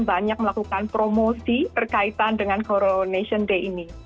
banyak melakukan promosi terkaitan dengan coronation day ini